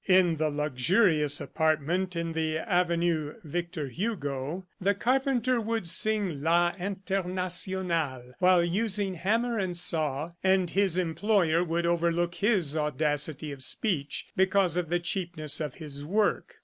In the luxurious apartment in the avenue Victor Hugo the carpenter would sing La Internacional while using hammer and saw, and his employer would overlook his audacity of speech because of the cheapness of his work.